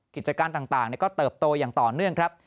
กิจการต่างก็เติบโตอย่างต่อเนื่องครับ